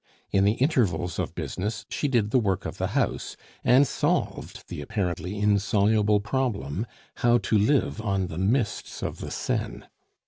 In the intervals of business she did the work of the house, and solved the apparently insoluble problem how to live on "the mists of the Seine."